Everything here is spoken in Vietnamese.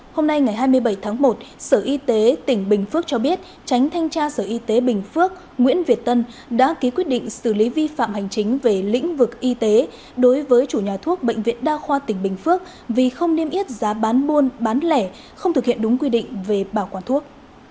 hôm nay ngày hai mươi bảy tháng một sở y tế tỉnh bình phước cho biết tránh thanh tra sở y tế bình phước nguyễn việt tân đã ký quyết định xử lý vi phạm hành chính về lĩnh vực y tế đối với chủ nhà thuốc bệnh viện đa khoa tỉnh bình phước vì không niêm yết giá bán buôn bán lẻ không thực hiện đúng quy định về bảo quản thuốc